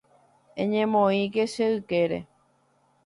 Eñemoĩke che ykére.